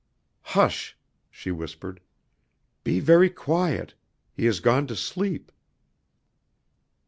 "Hush!" she whispered. "Be very quiet ... He has gone to sleep."